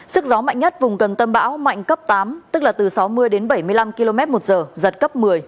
sức gió mạnh nhất vùng gần tâm bão mạnh cấp tám tức là từ sáu mươi đến bảy mươi năm km một giờ giật cấp một mươi